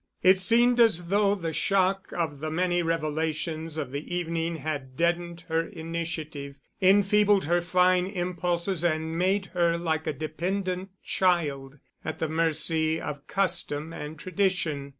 It seemed as though the shock of the many revelations of the evening had deadened her initiative, enfeebled her fine impulses and made her like a dependent child—at the mercy of custom and tradition.